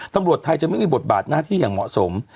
ตำรวจไทยจะไม่มีบทบาทหน้าที่อย่างเหมาะสม